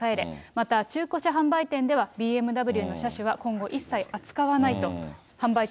また、中古車販売店では、ＢＭＷの車種は、今後一切扱わないと。